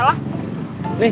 katanya gue tuan putri